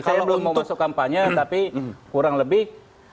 saya belum mau masuk kampanye tapi kurang lebih